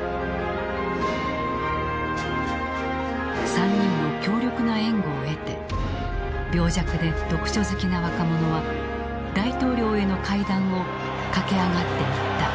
３人の強力な援護を得て病弱で読書好きな若者は大統領への階段を駆け上がっていった。